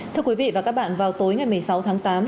thưa quý vị và các bạn vào tối ngày một mươi sáu tháng tám